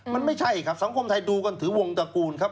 มันไม่ใช่ครับสังคมไทยดูกันถือวงตระกูลครับ